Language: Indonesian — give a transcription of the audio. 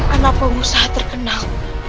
anak pengusaha terkenal